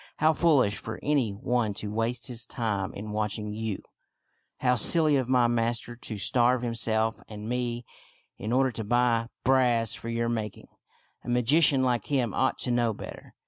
How foolish for any one to waste his time in watching you ! How silly of my master to starve himself and me, in order to buy brass for your mak ing ! A magician like him ought to know better.